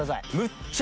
むっちゃ。